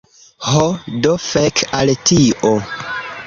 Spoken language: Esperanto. Ho, do fek al tio